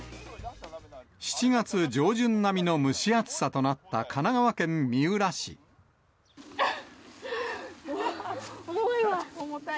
７月上旬並みの蒸し暑さとな重いわ！